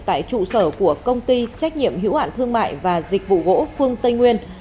tại trụ sở của công ty trách nhiệm hữu hạn thương mại và dịch vụ gỗ phương tây nguyên